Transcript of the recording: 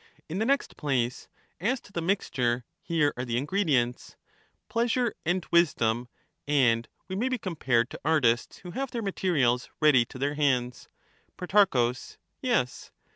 In the next place, as to the mixture, here are the ingredients, pleasure and wisdom, and we may be com pared to artists who have their materials ready to their hands. Pro. Yes.